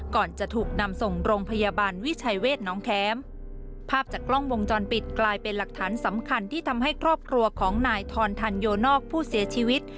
ก่อนจะถูกนำส่งโรงพยาบาลวิชัยเวทน้องแคมภาพจากกล้องวงจรปิดกลายเป็นหลักฐานสำคัญที่ทำให้ครอบครัวของนายทรทันโยนอกผู้เสียชีวิต